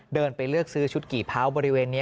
เดินไปเลือกซื้อชุดกี่เผาบริเวณนี้